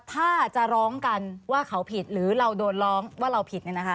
ถ้าจะร้องกันว่าเขาผิดหรือเราโดนร้องว่าเราผิด